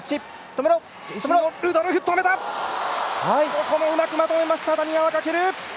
ここもうまくまとめました谷川翔。